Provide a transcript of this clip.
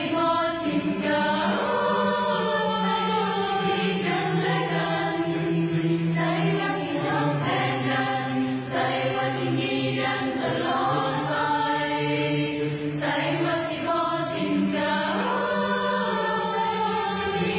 อยู่ในใจหล่อสิ่งที่เพราะเป็นใจ